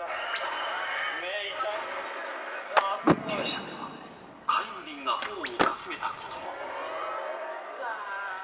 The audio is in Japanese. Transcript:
ギリシャでは火炎瓶が頬をかすめたことも。